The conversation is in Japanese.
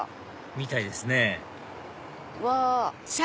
みたいですねうわ！